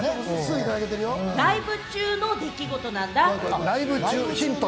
ライブ中の出来事なんだ。